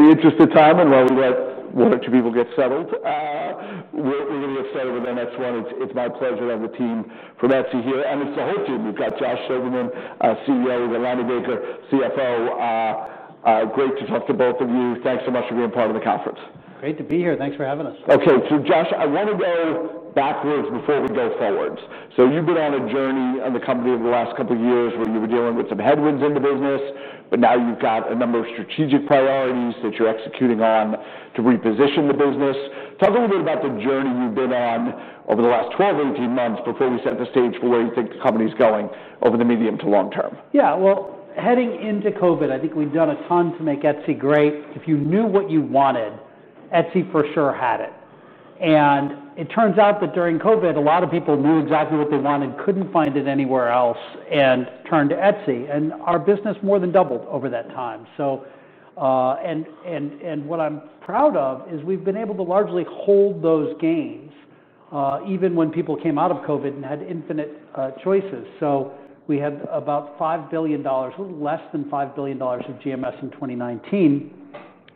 In the interest of time, and while we let one or two people get settled, we're going to get started with our next round. It's my pleasure to have the team from Etsy here, and it's the whole team. We've got Josh Silverman, CEO, and Lanny Baker, CFO. Great to talk to both of you. Thanks so much for being part of the conference. Great to be here. Thanks for having us. Okay. Josh, I want to go backwards before we go forwards. You've been on a journey in the company over the last couple of years where you were dealing with some headwinds in the business, but now you've got a number of strategic priorities that you're executing on to reposition the business. Talk a little bit about the journey you've been on over the last 12 or 18 months before we set the stage for where you think the company is going over the medium to long term. Heading into COVID, I think we'd done a ton to make Etsy great. If you knew what you wanted, Etsy for sure had it. It turns out that during COVID, a lot of people knew exactly what they wanted, couldn't find it anywhere else, and turned to Etsy. Our business more than doubled over that time. What I'm proud of is we've been able to largely hold those gains, even when people came out of COVID and had infinite choices. We had about $5 billion, a little less than $5 billion of GMS in 2019.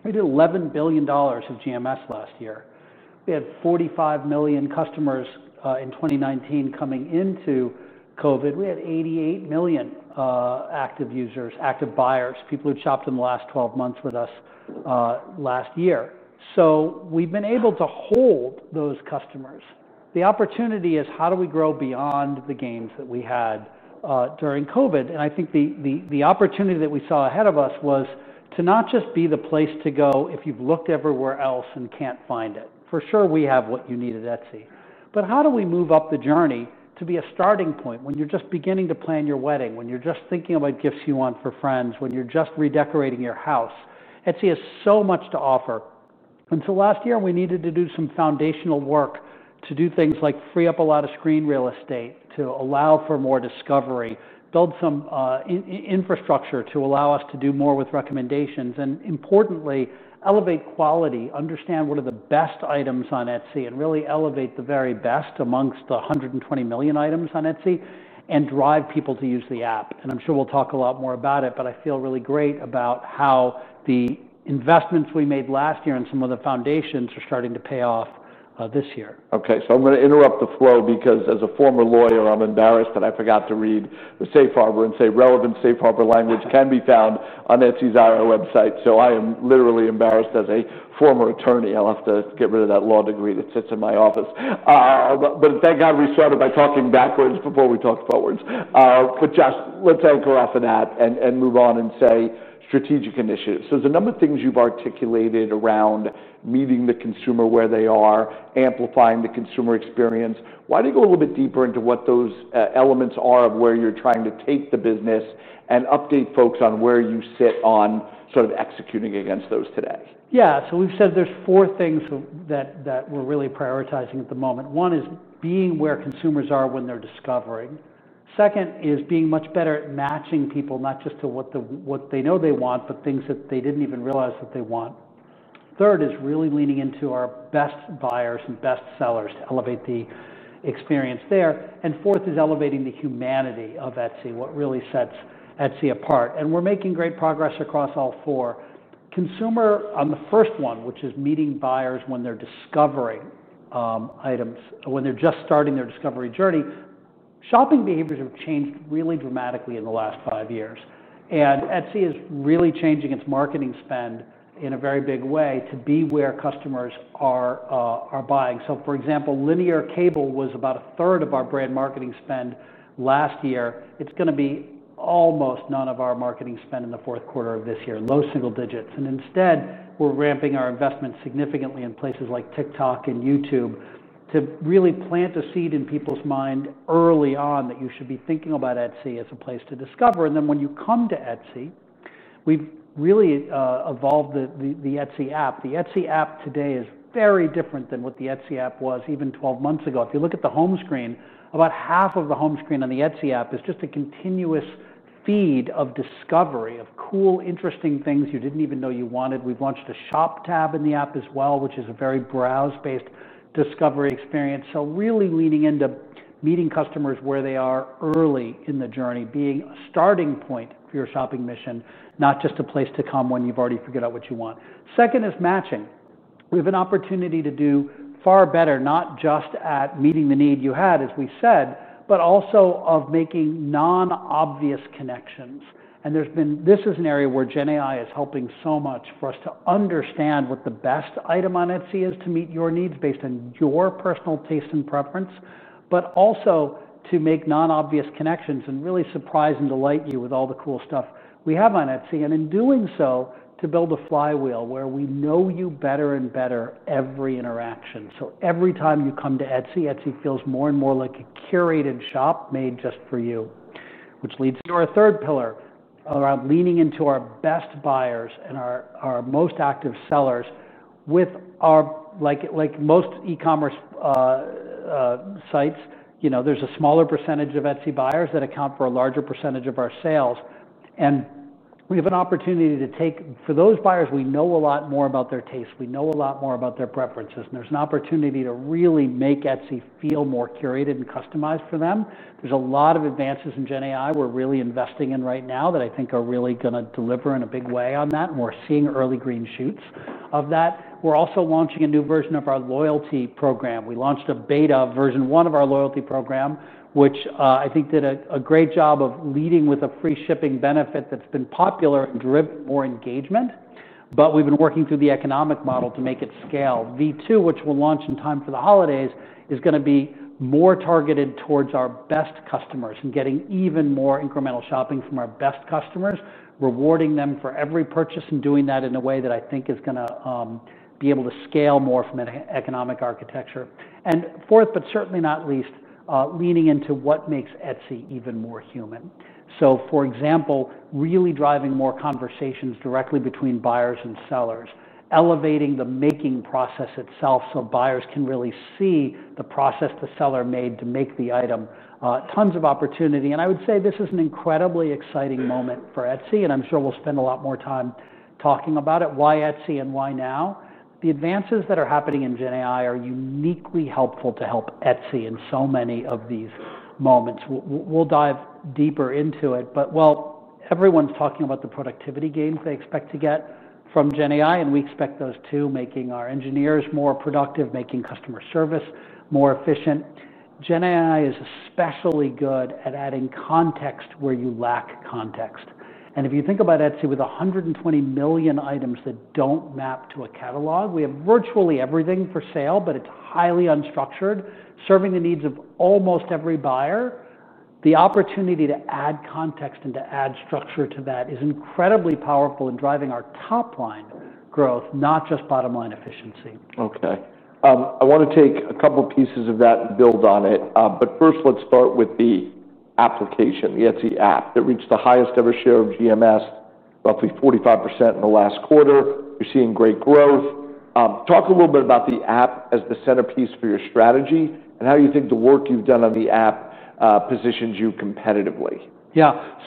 We did $11 billion of GMS last year. We had 45 million customers in 2019 coming into COVID. We had 88 million active users, active buyers, people who'd shopped in the last 12 months with us, last year. We've been able to hold those customers. The opportunity is how do we grow beyond the gains that we had during COVID? I think the opportunity that we saw ahead of us was to not just be the place to go if you've looked everywhere else and can't find it. For sure, we have what you need at Etsy. How do we move up the journey to be a starting point when you're just beginning to plan your wedding, when you're just thinking about gifts you want for friends, when you're just redecorating your house? Etsy has so much to offer. Until last year, we needed to do some foundational work to do things like free up a lot of screen real estate to allow for more discovery, build some infrastructure to allow us to do more with recommendations, and importantly, elevate quality, understand what are the best items on Etsy, and really elevate the very best amongst the 120 million items on Etsy, and drive people to use the app. I'm sure we'll talk a lot more about it, but I feel really great about how the investments we made last year and some of the foundations are starting to pay off this year. Okay. I'm going to interrupt the flow because as a former lawyer, I'm embarrassed that I forgot to read Safe Harbor and say relevant Safe Harbor language can be found on Etsy's website. I am literally embarrassed as a former attorney. I'll have to get rid of that law degree that sits in my office. Thank God we started by talking backwards before we talked forwards. Josh, let's all go off of that and move on and say strategic initiatives. There's a number of things you've articulated around meeting the consumer where they are, amplifying the consumer experience. Why don't you go a little bit deeper into what those elements are of where you're trying to take the business and update folks on where you sit on sort of executing against those today? Yeah. We've said there's four things that we're really prioritizing at the moment. One is being where consumers are when they're discovering. Second is being much better at matching people, not just to what they know they want, but things that they didn't even realize that they want. Third is really leaning into our best buyers and best sellers to elevate the experience there. Fourth is elevating the humanity of Etsy, what really sets Etsy apart. We're making great progress across all four. On the first one, which is meeting buyers when they're discovering items, when they're just starting their discovery journey, shopping behaviors have changed really dramatically in the last five years. Etsy is really changing its marketing spend in a very big way to be where customers are buying. For example, linear cable was about a third of our brand marketing spend last year. It's going to be almost none of our marketing spend in the fourth quarter of this year, low single digits. Instead, we're ramping our investments significantly in places like TikTok and YouTube to really plant a seed in people's mind early on that you should be thinking about Etsy as a place to discover. When you come to Etsy, we've really evolved the Etsy app. The Etsy app today is very different than what the Etsy app was even 12 months ago. If you look at the home screen, about half of the home screen on the Etsy app is just a continuous feed of discovery of cool, interesting things you didn't even know you wanted. We've launched a shop tab in the app as well, which is a very browse-based discovery experience. We're really leaning into meeting customers where they are early in the journey, being a starting point for your shopping mission, not just a place to come when you've already figured out what you want. Second is matching. We have an opportunity to do far better, not just at meeting the need you had, as we said, but also of making non-obvious connections. This is an area where generative AI is helping so much for us to understand what the best item on Etsy is to meet your needs based on your personal taste and preference, but also to make non-obvious connections and really surprise and delight you with all the cool stuff we have on Etsy. In doing so, we build a flywheel where we know you better and better every interaction. Every time you come to Etsy, Etsy feels more and more like a curated shop made just for you, which leads to our third pillar around leaning into our best buyers and our most active sellers. Like most e-commerce sites, there's a smaller % of Etsy buyers that account for a larger % of our sales. We have an opportunity to take, for those buyers, we know a lot more about their tastes, we know a lot more about their preferences, and there's an opportunity to really make Etsy feel more curated and customized for them. There are a lot of advances in generative AI we're really investing in right now that I think are really going to deliver in a big way on that. We're seeing early green sheets of that. We're also launching a new version of our loyalty program. We launched a beta version one of our loyalty program, which I think did a great job of leading with a free shipping benefit that's been popular and driven more engagement. We've been working through the economic model to make it scale. V2, which we'll launch in time for the holidays, is going to be more targeted towards our best customers and getting even more incremental shopping from our best customers, rewarding them for every purchase, and doing that in a way that I think is going to be able to scale more from an economic architecture. Fourth, but certainly not least, leaning into what makes Etsy even more human. For example, really driving more conversations directly between buyers and sellers, elevating the making process itself so buyers can really see the process the seller made to make the item. Tons of opportunity. I would say this is an incredibly exciting moment for Etsy, and I'm sure we'll spend a lot more time talking about it, why Etsy and why now. The advances that are happening in generative AI are uniquely helpful to help Etsy in so many of these moments. We'll dive deeper into it. While everyone's talking about the productivity gains they expect to get from generative AI, and we expect those too, making our engineers more productive, making customer service more efficient, generative AI is especially good at adding context where you lack context. If you think about Etsy with 120 million items that don't map to a catalog, we have virtually everything for sale, but it's highly unstructured, serving the needs of almost every buyer. The opportunity to add context and to add structure to that is incredibly powerful in driving our top-line growth, not just bottom-line efficiency. Okay. I want to take a couple of pieces of that and build on it. First, let's start with the application, the Etsy app that reached the highest ever share of GMS, roughly 45% in the last quarter. You're seeing great growth. Talk a little bit about the app as the centerpiece for your strategy and how you think the work you've done on the app positions you competitively. Yeah.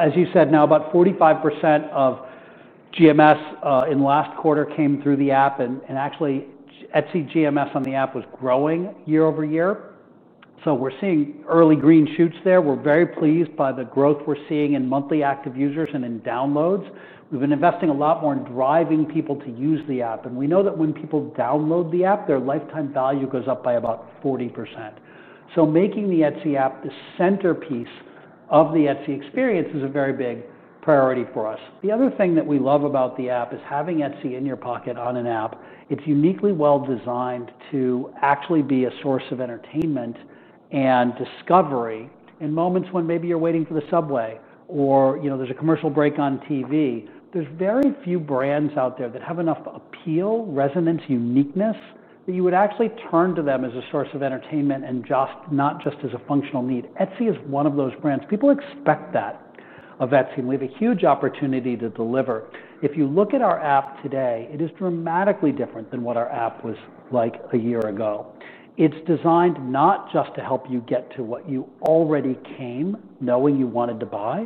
As you said, now about 45% of GMS in the last quarter came through the app. Actually, Etsy GMS on the app was growing year over year. We're seeing early green shoots there. We're very pleased by the growth we're seeing in monthly active users and in downloads. We've been investing a lot more in driving people to use the app. We know that when people download the app, their lifetime value goes up by about 40%. Making the Etsy app the centerpiece of the Etsy experience is a very big priority for us. The other thing that we love about the app is having Etsy in your pocket on an app. It's uniquely well-designed to actually be a source of entertainment and discovery in moments when maybe you're waiting for the subway or there's a commercial break on TV. There are very few brands out there that have enough appeal, resonance, uniqueness that you would actually turn to them as a source of entertainment and not just as a functional need. Etsy is one of those brands. People expect that of Etsy, and we have a huge opportunity to deliver. If you look at our app today, it is dramatically different than what our app was like a year ago. It's designed not just to help you get to what you already came knowing you wanted to buy,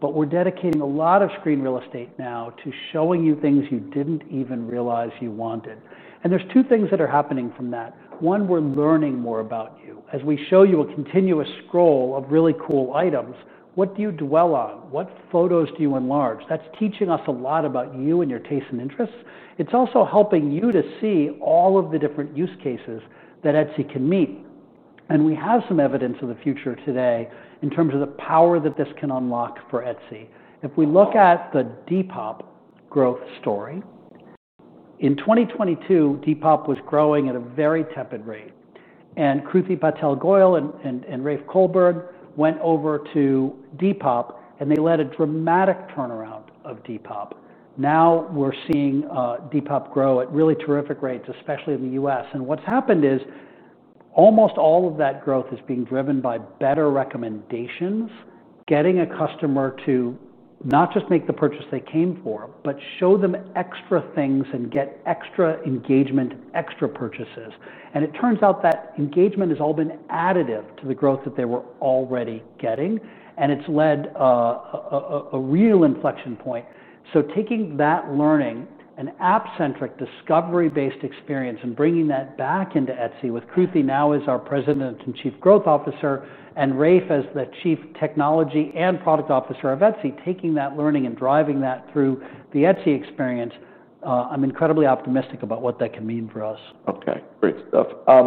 but we're dedicating a lot of screen real estate now to showing you things you didn't even realize you wanted. There are two things that are happening from that. One, we're learning more about you. As we show you a continuous scroll of really cool items, what do you dwell on? What photos do you enlarge? That's teaching us a lot about you and your tastes and interests. It's also helping you to see all of the different use cases that Etsy can meet. We have some evidence of the future today in terms of the power that this can unlock for Etsy. If we look at the Depop growth story, in 2022, Depop was growing at a very tepid rate. Kruti Patel Goyal and Rafe Colberg went over to Depop, and they led a dramatic turnaround of Depop. Now we're seeing Depop grow at really terrific rates, especially in the U.S. What's happened is almost all of that growth is being driven by better recommendations, getting a customer to not just make the purchase they came for, but show them extra things and get extra engagement, extra purchases. It turns out that engagement has all been additive to the growth that they were already getting, and it's led a real inflection point. Taking that learning, an app-centric discovery-based experience, and bringing that back into Etsy with Kruti now as our President and Chief Growth Officer, and Rafe as the Chief Technology and Product Officer of Etsy, taking that learning and driving that through the Etsy experience, I'm incredibly optimistic about what that can mean for us. Okay. Great stuff. I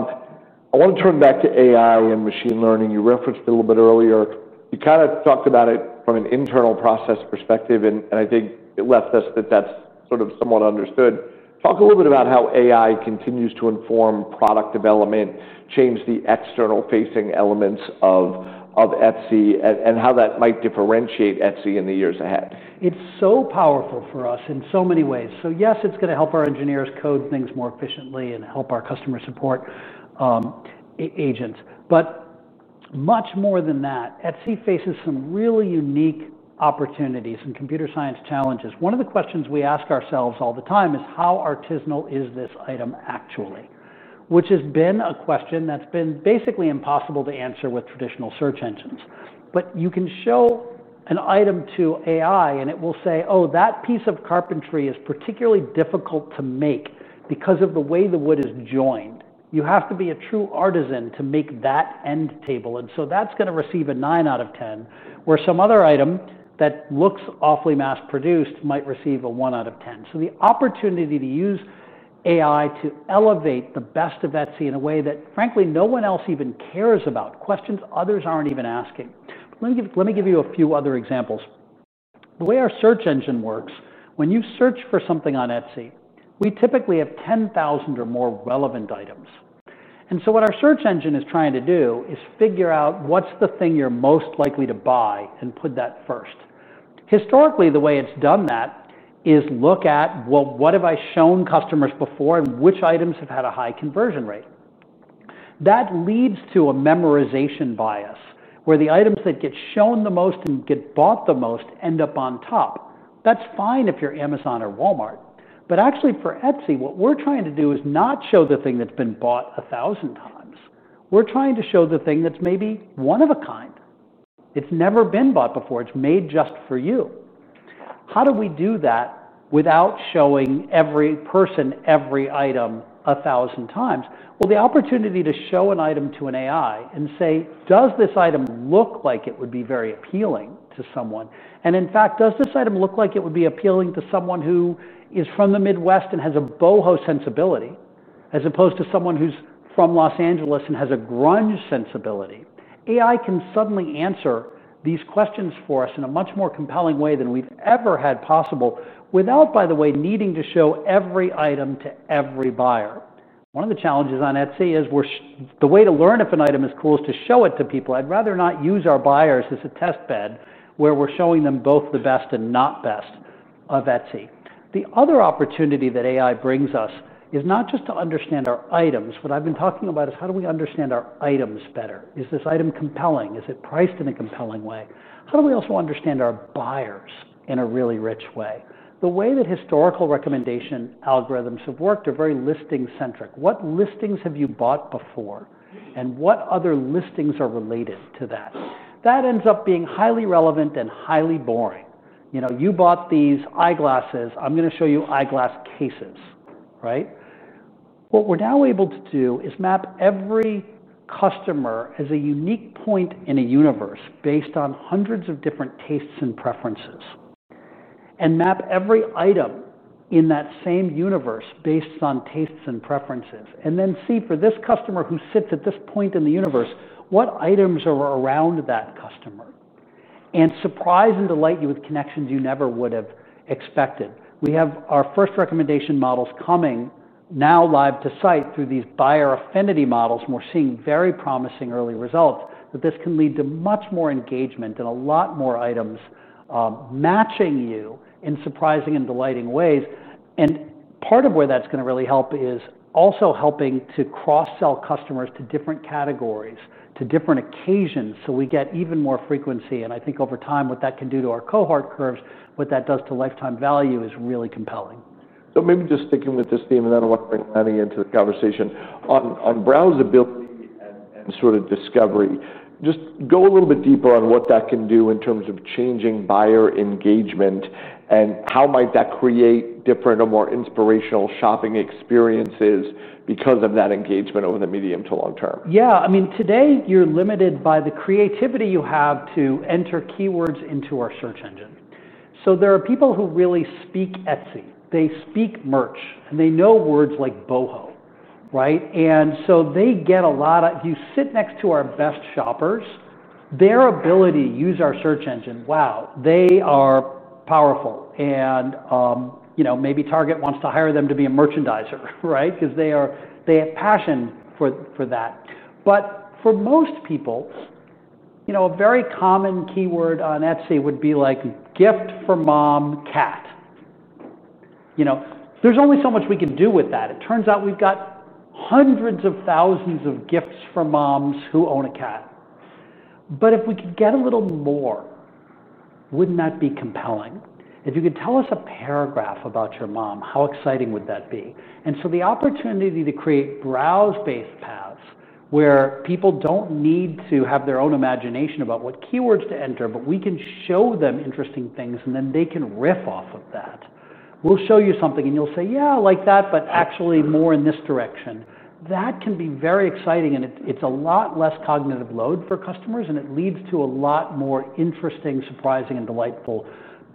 want to turn back to AI and machine learning. You referenced it a little bit earlier. You kind of talked about it from an internal process perspective, and I think it left us that that's sort of somewhat understood. Talk a little bit about how AI continues to inform product development, change the external-facing elements of Etsy, and how that might differentiate Etsy in the years ahead. It's so powerful for us in so many ways. Yes, it's going to help our engineers code things more efficiently and help our customer support agents. Much more than that, Etsy faces some really unique opportunities and computer science challenges. One of the questions we ask ourselves all the time is how artisanal is this item actually, which has been a question that's been basically impossible to answer with traditional search engines. You can show an item to AI, and it will say, "Oh, that piece of carpentry is particularly difficult to make because of the way the wood is joined. You have to be a true artisan to make that end table." That's going to receive a 9 out of 10, where some other item that looks awfully mass-produced might receive a 1 out of 10. The opportunity to use AI to elevate the best of Etsy in a way that, frankly, no one else even cares about, questions others aren't even asking. Let me give you a few other examples. The way our search engine works, when you search for something on Etsy, we typically have 10,000 or more relevant items. What our search engine is trying to do is figure out what's the thing you're most likely to buy and put that first. Historically, the way it's done that is look at, "Well, what have I shown customers before and which items have had a high conversion rate?" That leads to a memorization bias where the items that get shown the most and get bought the most end up on top. That's fine if you're Amazon or Walmart. Actually, for Etsy, what we're trying to do is not show the thing that's been bought 1,000 times. We're trying to show the thing that's maybe one of a kind. It's never been bought before. It's made just for you. How do we do that without showing every person, every item 1,000 times? The opportunity to show an item to an AI and say, "Does this item look like it would be very appealing to someone? In fact, does this item look like it would be appealing to someone who is from the Midwest and has a boho sensibility, as opposed to someone who's from Los Angeles and has a grunge sensibility?" AI can suddenly answer these questions for us in a much more compelling way than we've ever had possible without, by the way, needing to show every item to every buyer. One of the challenges on Etsy is the way to learn if an item is cool is to show it to people. I'd rather not use our buyers as a test bed where we're showing them both the best and not best of Etsy. The other opportunity that AI brings us is not just to understand our items. What I've been talking about is how do we understand our items better? Is this item compelling? Is it priced in a compelling way? How do we also understand our buyers in a really rich way? The way that historical recommendation algorithms have worked are very listing-centric. What listings have you bought before and what other listings are related to that? That ends up being highly relevant and highly boring. You know, you bought these eyeglasses. I'm going to show you eyeglass cases, right? What we're now able to do is map every customer as a unique point in a universe based on hundreds of different tastes and preferences, and map every item in that same universe based on tastes and preferences. We can then see for this customer who sits at this point in the universe, what items are around that customer and surprise and delight you with connections you never would have expected. We have our first recommendation models coming now live to site through these buyer affinity models, and we're seeing very promising early results that this can lead to much more engagement and a lot more items matching you in surprising and delighting ways. Part of where that's going to really help is also helping to cross-sell customers to different categories, to different occasions, so we get even more frequency. I think over time, what that can do to our cohort curves, what that does to lifetime value is really compelling. Maybe just sticking with this theme, I don't want to bring any into the conversation on browsability and sort of discovery. Just go a little bit deeper on what that can do in terms of changing buyer engagement, and how might that create different or more inspirational shopping experiences because of that engagement over the medium to long term. Yeah. I mean, today you're limited by the creativity you have to enter keywords into our search engine. There are people who really speak Etsy. They speak merch, and they know words like boho, right? They get a lot of, if you sit next to our best shoppers, their ability to use our search engine, wow, they are powerful. You know maybe Target wants to hire them to be a merchandiser, right? They have passion for that. For most people, you know a very common keyword on Etsy would be like gift for mom cat. You know there's only so much we can do with that. It turns out we've got hundreds of thousands of gifts for moms who own a cat. If we could get a little more, wouldn't that be compelling? If you could tell us a paragraph about your mom, how exciting would that be? The opportunity to create browse-based paths where people don't need to have their own imagination about what keywords to enter, but we can show them interesting things, and then they can riff off of that. We'll show you something, and you'll say, "Yeah, I like that, but actually more in this direction." That can be very exciting, and it's a lot less cognitive load for customers, and it leads to a lot more interesting, surprising, and delightful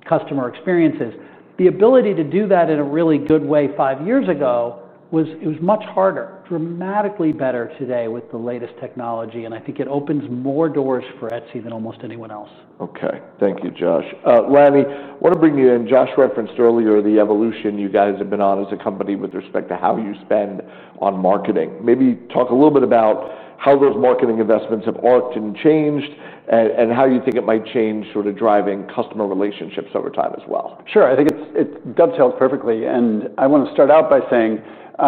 customer experiences. The ability to do that in a really good way five years ago was much harder, dramatically better today with the latest technology, and I think it opens more doors for Etsy than almost anyone else. Okay. Thank you, Josh. Lanny, I want to bring you in. Josh referenced earlier the evolution you guys have been on as a company with respect to how you spend on marketing. Maybe talk a little bit about how those marketing investments have arced and changed, and how you think it might change sort of driving customer relationships over time as well. Sure. I think it's dovetailed perfectly. I want to start out by saying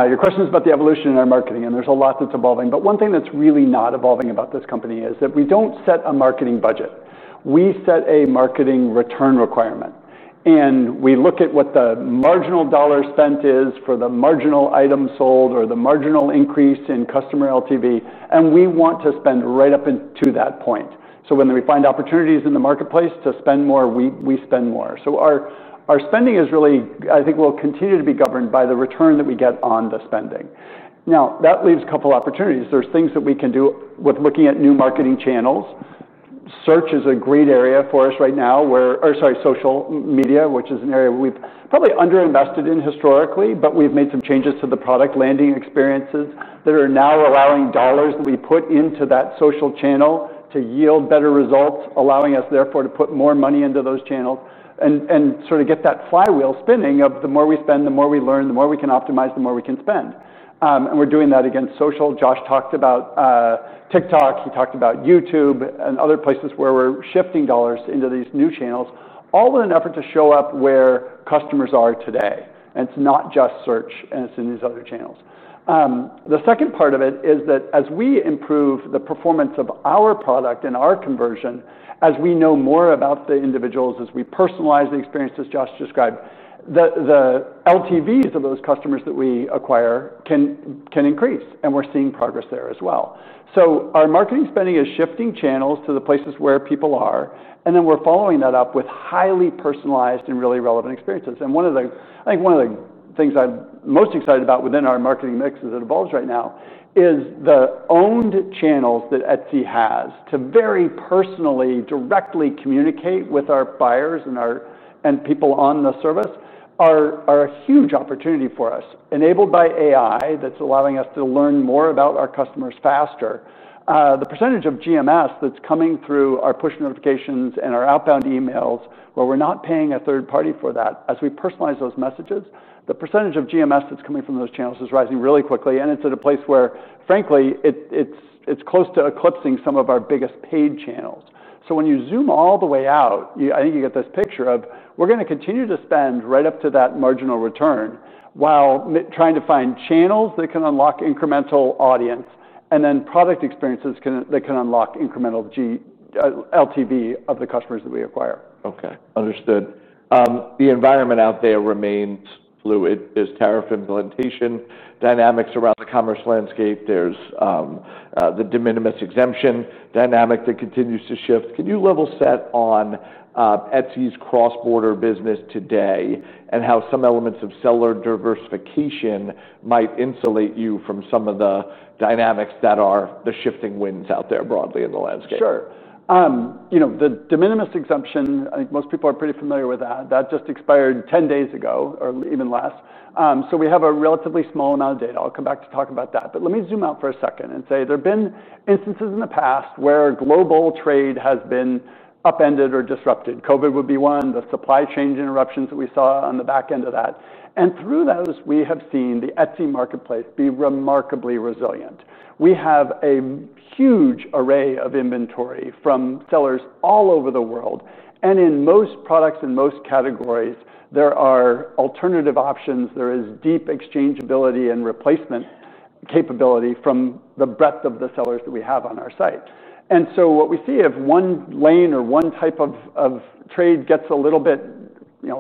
your question is about the evolution in our marketing, and there's a lot that's evolving. One thing that's really not evolving about this company is that we don't set a marketing budget. We set a marketing return requirement. We look at what the marginal dollar spent is for the marginal item sold or the marginal increase in customer LTV, and we want to spend right up to that point. When we find opportunities in the marketplace to spend more, we spend more. Our spending is really, I think, will continue to be governed by the return that we get on the spending. That leaves a couple of opportunities. There are things that we can do with looking at new marketing channels. Search is a great area for us right now, or sorry, social media, which is an area we've probably underinvested in historically, but we've made some changes to the product landing experiences that are now allowing dollars that we put into that social channel to yield better results, allowing us therefore to put more money into those channels and sort of get that flywheel spinning of the more we spend, the more we learn, the more we can optimize, the more we can spend. We're doing that against social. Josh talked about TikTok. He talked about YouTube and other places where we're shifting dollars into these new channels, all in an effort to show up where customers are today. It's not just search, and it's in these other channels. The second part of it is that as we improve the performance of our product and our conversion, as we know more about the individuals, as we personalize the experience, as Josh described, the LTVs of those customers that we acquire can increase, and we're seeing progress there as well. Our marketing spending is shifting channels to the places where people are, and then we're following that up with highly personalized and really relevant experiences. One of the things I'm most excited about within our marketing mix as it evolves right now is the owned channels that Etsy has to very personally, directly communicate with our buyers and our people on the service are a huge opportunity for us, enabled by AI that's allowing us to learn more about our customers faster. The percentage of GMS that's coming through our push notifications and our outbound emails, where we're not paying a third party for that, as we personalize those messages, the percentage of GMS that's coming from those channels is rising really quickly, and it's at a place where, frankly, it's close to eclipsing some of our biggest paid channels. When you zoom all the way out, I think you get this picture of we're going to continue to spend right up to that marginal return while trying to find channels that can unlock incremental audience and then product experiences that can unlock incremental LTV of the customers that we acquire. Okay. Understood. The environment out there remains fluid. There's tariff implementation dynamics around the commerce landscape. There's the de minimis exemption dynamic that continues to shift. Can you level set on Etsy's cross-border business today and how some elements of seller diversification might insulate you from some of the dynamics that are the shifting winds out there broadly in the landscape? Sure. You know the de minimis exemption, I think most people are pretty familiar with that. That just expired 10 days ago or even less. We have a relatively small amount of data. I'll come back to talk about that. Let me zoom out for a second and say there have been instances in the past where global trade has been upended or disrupted. COVID would be one, the supply chain interruptions that we saw on the back end of that. Through those, we have seen the Etsy marketplace be remarkably resilient. We have a huge array of inventory from sellers all over the world. In most products and most categories, there are alternative options. There is deep exchangeability and replacement capability from the breadth of the sellers that we have on our site. What we see, if one lane or one type of trade gets a little bit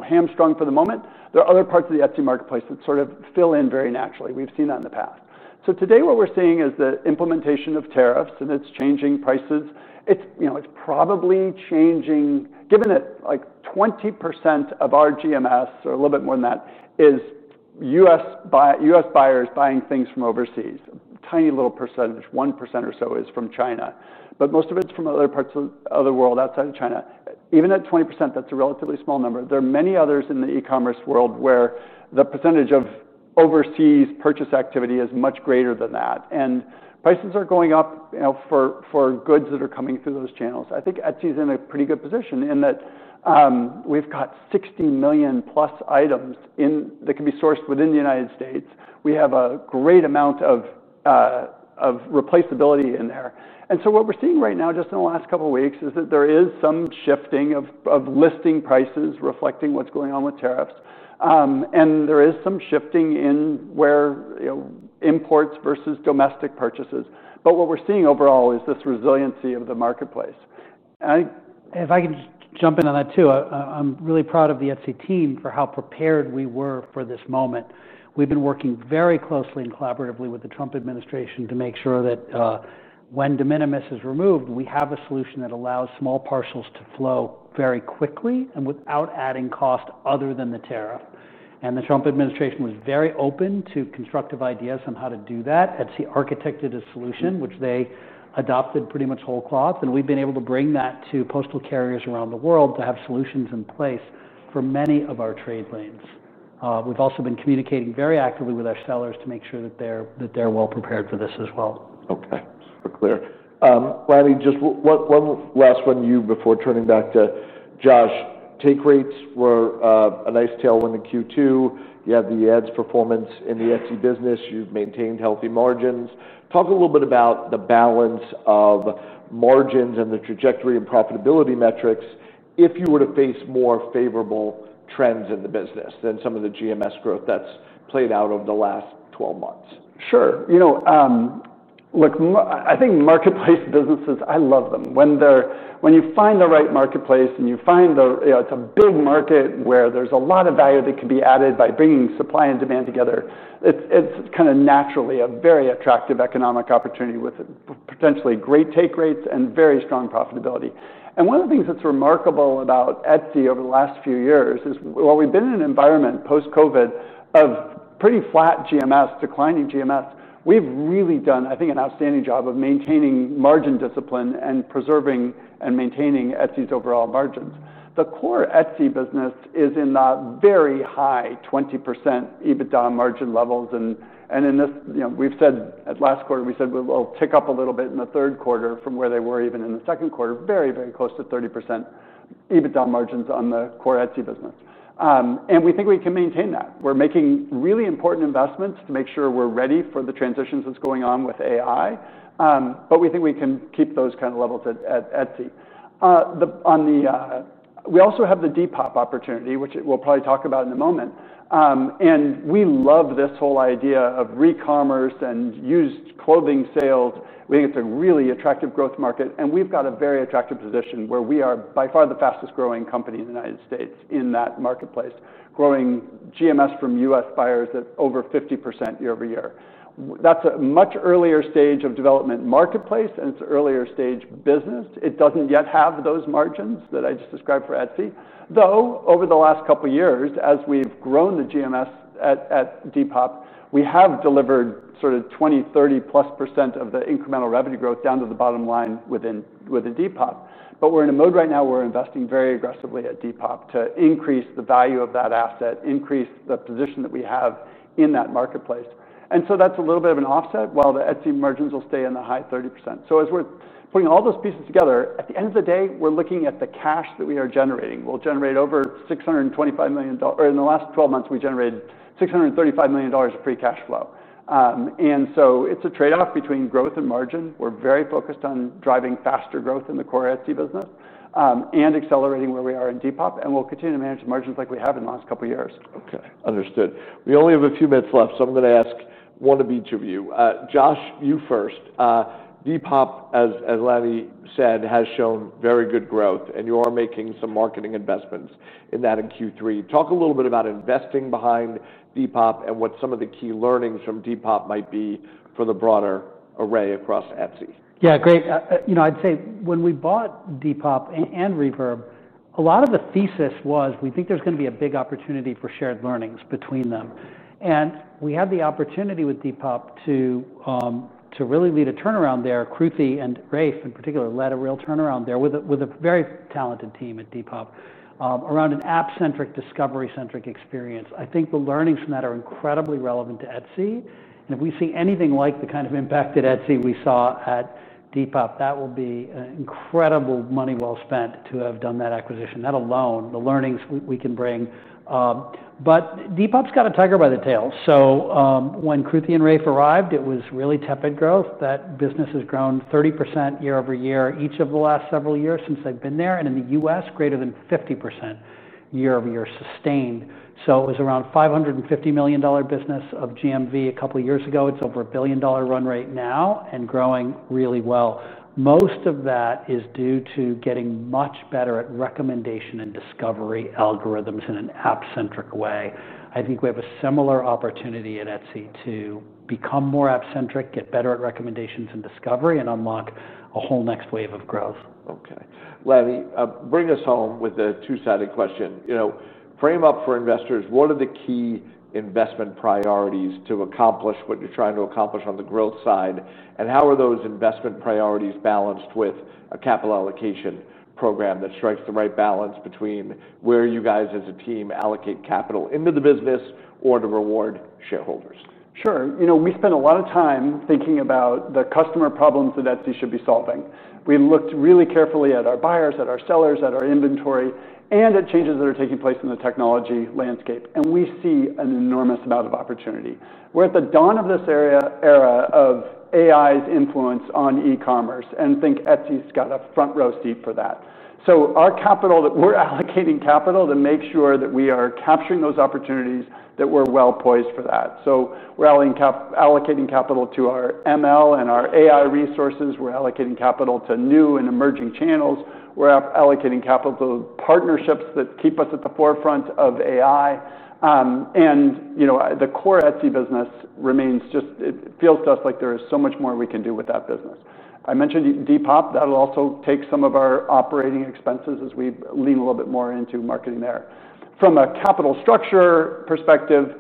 hamstrung for the moment, there are other parts of the Etsy marketplace that sort of fill in very naturally. We've seen that in the past. Today what we're seeing is the implementation of tariffs, and it's changing prices. It's probably changing, given that like 20% of our GMS or a little bit more than that is U.S. buyers buying things from overseas. Tiny little percentage, 1% or so is from China. Most of it's from other parts of the world outside of China. Even at 20%, that's a relatively small number. There are many others in the e-commerce world where the percentage of overseas purchase activity is much greater than that. Prices are going up for goods that are coming through those channels. I think Etsy is in a pretty good position in that we've got 60 million plus items that can be sourced within the United States. We have a great amount of replaceability in there. What we're seeing right now, just in the last couple of weeks, is that there is some shifting of listing prices reflecting what's going on with tariffs. There is some shifting in where you know imports versus domestic purchases. What we're seeing overall is this resiliency of the marketplace. If I can just jump in on that too, I'm really proud of the Etsy team for how prepared we were for this moment. We've been working very closely and collaboratively with the Trump administration to make sure that when de minimis is removed, we have a solution that allows small parcels to flow very quickly and without adding cost other than the tariff. The Trump administration was very open to constructive ideas on how to do that. Etsy architected a solution, which they adopted pretty much whole cloth. We've been able to bring that to postal carriers around the world to have solutions in place for many of our trade lanes. We've also been communicating very actively with our sellers to make sure that they're well prepared for this as well. Okay. Super clear. Lanny, just one last one before turning back to Josh. Take rates were a nice tailwind in Q2. You had the ads performance in the Etsy business. You've maintained healthy margins. Talk a little bit about the balance of margins and the trajectory and profitability metrics if you were to face more favorable trends in the business than some of the GMS growth that's played out over the last 12 months. Sure. You know, look, I think marketplace businesses, I love them. When you find the right marketplace and you find that it's a big market where there's a lot of value that can be added by bringing supply and demand together, it's kind of naturally a very attractive economic opportunity with potentially great take rates and very strong profitability. One of the things that's remarkable about Etsy over the last few years is while we've been in an environment post-COVID of pretty flat GMS, declining GMS, we've really done, I think, an outstanding job of maintaining margin discipline and preserving and maintaining Etsy's overall margins. The core Etsy business is in the very high 20% EBITDA margin levels. In this, we said at last quarter, we said we'll tick up a little bit in the third quarter from where they were even in the second quarter, very, very close to 30% EBITDA margins on the core Etsy business. We think we can maintain that. We're making really important investments to make sure we're ready for the transitions that's going on with AI. We think we can keep those kind of levels at Etsy. We also have the Depop opportunity, which we'll probably talk about in a moment. We love this whole idea of re-commerce and used clothing sales. We think it's a really attractive growth market. We've got a very attractive position where we are by far the fastest growing company in the United States in that marketplace, growing GMS from U.S. buyers at over 50% year over year. That's a much earlier stage of development marketplace and it's an earlier stage business. It doesn't yet have those margins that I just described for Etsy. Though over the last couple of years, as we've grown the GMS at Depop, we have delivered sort of 20, 30+% of the incremental revenue growth down to the bottom line with Depop. We're in a mode right now where we're investing very aggressively at Depop to increase the value of that asset, increase the position that we have in that marketplace. That's a little bit of an offset while the Etsy margins will stay in the high 30%. As we're putting all those pieces together, at the end of the day, we're looking at the cash that we are generating. We'll generate over $625 million. In the last 12 months, we generated $635 million of free cash flow. It's a trade-off between growth and margin. We're very focused on driving faster growth in the core Etsy business and accelerating where we are in Depop. We'll continue to manage the margins like we have in the last couple of years. Okay. Understood. We only have a few minutes left. I'm going to ask one of each of you. Josh, you first. Depop, as Lanny said, has shown very good growth. You are making some marketing investments in that in Q3. Talk a little bit about investing behind Depop and what some of the key learnings from Depop might be for the broader array across Etsy. Yeah, great. I'd say when we bought Depop and Reverb, a lot of the thesis was we think there's going to be a big opportunity for shared learnings between them. We have the opportunity with Depop to really lead a turnaround there. Kruti and Rafe, in particular, led a real turnaround there with a very talented team at Depop around an app-centric, discovery-centric experience. I think the learnings from that are incredibly relevant to Etsy. If we see anything like the kind of impact at Etsy we saw at Depop, that will be an incredible money well spent to have done that acquisition. That alone, the learnings we can bring. Depop's got a tiger by the tail. When Kruti and Rafe arrived, it was really tepid growth. That business has grown 30% year over year, each of the last several years since they've been there. In the U.S., greater than 50% year over year sustained. It was around a $550 million business of GMV a couple of years ago. It's over a $1 billion run rate now and growing really well. Most of that is due to getting much better at recommendation and discovery algorithms in an app-centric way. I think we have a similar opportunity at Etsy to become more app-centric, get better at recommendations and discovery, and unlock a whole next wave of growth. Okay. Lanny, bring us home with a two-sided question. Frame up for investors, what are the key investment priorities to accomplish what you're trying to accomplish on the growth side? How are those investment priorities balanced with a capital allocation program that strikes the right balance between where you guys as a team allocate capital into the business or to reward shareholders? Sure. We spent a lot of time thinking about the customer problems that Etsy should be solving. We looked really carefully at our buyers, at our sellers, at our inventory, and at changes that are taking place in the technology landscape. We see an enormous amount of opportunity. We're at the dawn of this era of AI's influence on e-commerce. I think Etsy's got a front row seat for that. Our capital that we're allocating is to make sure that we are capturing those opportunities, that we're well poised for that. We're allocating capital to our machine learning and our AI resources. We're allocating capital to new and emerging channels. We're allocating capital to partnerships that keep us at the forefront of AI. The core Etsy business remains just, it feels to us like there is so much more we can do with that business. I mentioned Depop. That'll also take some of our operating expenses as we lean a little bit more into marketing there. From a capital structure perspective,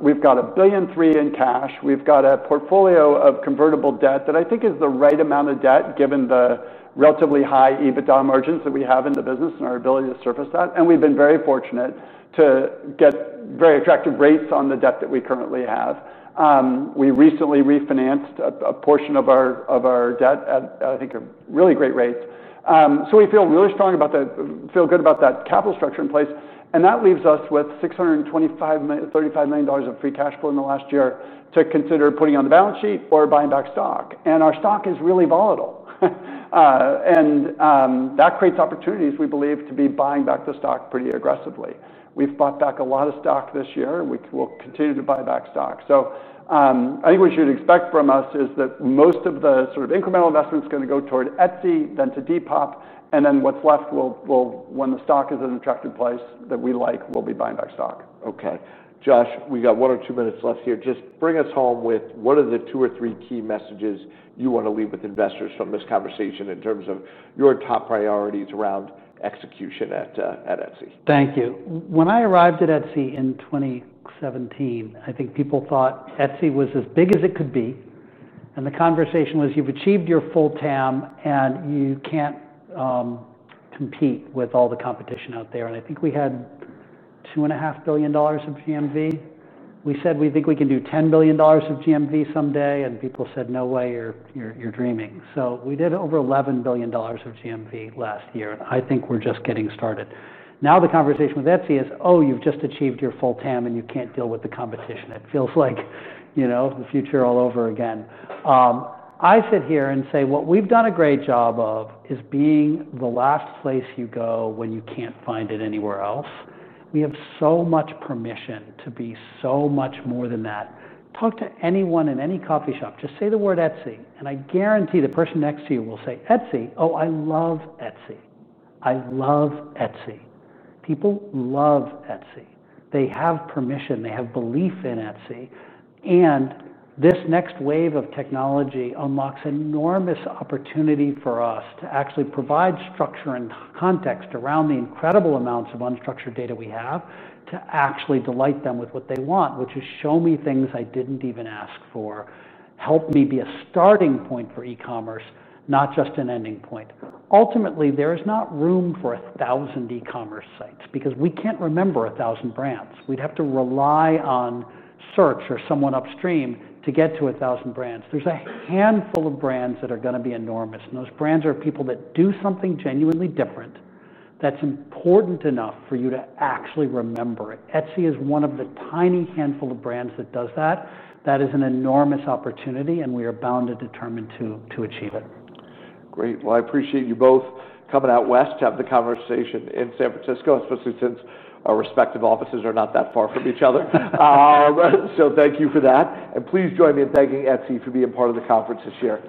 we've got $1.3 billion in cash. We've got a portfolio of convertible debt that I think is the right amount of debt given the relatively high EBITDA margins that we have in the business and our ability to surface that. We've been very fortunate to get very attractive rates on the debt that we currently have. We recently refinanced a portion of our debt at, I think, a really great rate. We feel really strong about that, feel good about that capital structure in place. That leaves us with $625 million, $35 million of free cash flow in the last year to consider putting on the balance sheet or buying back stock. Our stock is really volatile. That creates opportunities, we believe, to be buying back the stock pretty aggressively. We've bought back a lot of stock this year. We will continue to buy back stock. I think what you'd expect from us is that most of the sort of incremental investment is going to go toward Etsy, then to Depop. What's left, when the stock is in an attractive place that we like, we'll be buying back stock. Okay. Josh, we got one or two minutes left here. Just bring us home with what are the two or three key messages you want to leave with investors from this conversation in terms of your top priorities around execution at Etsy? Thank you. When I arrived at Etsy in 2017, I think people thought Etsy was as big as it could be. The conversation was you've achieved your full TAM and you can't compete with all the competition out there. I think we had $2.5 billion of GMV. We said we think we can do $10 billion of GMV someday. People said, "No way, you're dreaming." We did over $11 billion of GMV last year. I think we're just getting started. Now the conversation with Etsy is, "Oh, you've just achieved your full TAM and you can't deal with the competition." It feels like you know the future all over again. I sit here and say what we've done a great job of is being the last place you go when you can't find it anywhere else. We have so much permission to be so much more than that. Talk to anyone in any coffee shop. Just say the word Etsy. I guarantee the person next to you will say, "Etsy. Oh, I love Etsy. I love Etsy." People love Etsy. They have permission. They have belief in Etsy. This next wave of technology unlocks enormous opportunity for us to actually provide structure and context around the incredible amounts of unstructured data we have to actually delight them with what they want, which is show me things I didn't even ask for. Help me be a starting point for e-commerce, not just an ending point. Ultimately, there is not room for 1,000 e-commerce sites because we can't remember 1,000 brands. We'd have to rely on search or someone upstream to get to 1,000 brands. There's a handful of brands that are going to be enormous. Those brands are people that do something genuinely different that's important enough for you to actually remember it. Etsy is one of the tiny handful of brands that does that. That is an enormous opportunity, and we are bound and determined to achieve it. Great. I appreciate you both coming out West to have the conversation in San Francisco, especially since our respective offices are not that far from each other. Thank you for that. Please join me in thanking Etsy for being part of the conference this year.